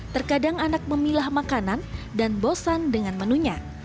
terkadang anak memilah makanan dan bosan dengan menunya